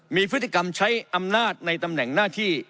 มีพฤติกรรมใช้อำนาจในตำแหน่งหน้าที่